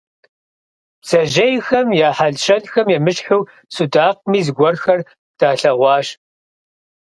Бдзэжьейхэм я хьэл-щэнхэм емыщхьу судакъми зыгуэрхэр далъэгъуащ.